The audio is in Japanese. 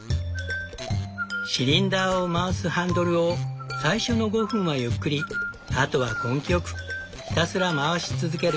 シリンダーを回すハンドルを最初の５分はゆっくりあとは根気よくひたすら回し続ける。